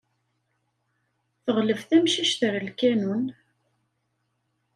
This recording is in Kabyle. Teɣleb tamcict ar lkanun.